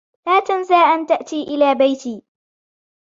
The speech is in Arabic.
لا تنسى أن تأتي إلى بيتي.